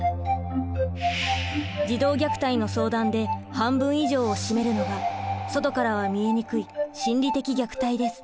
児童虐待の相談で半分以上を占めるのが外からは見えにくい心理的虐待です。